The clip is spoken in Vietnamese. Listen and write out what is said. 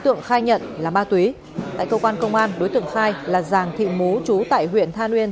tượng khai nhận là ma túy tại cơ quan công an đối tượng khai là giàng thị mú trú tại huyện tha nguyên